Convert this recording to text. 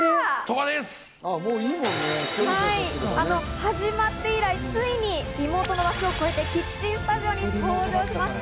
始まって以来、ついにリモートの枠を越えてキッチンスタジオに登場しました。